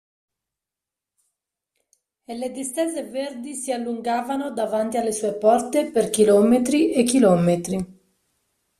E le distese verdi si allungavano davanti alle sue porte per chilometri e chilometri.